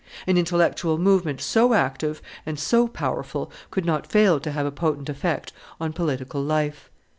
An intellectual movement so active and powerful could not fail to have a potent effect upon political life.